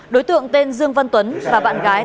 đối tượng tên dương vân tuấn và bạn gái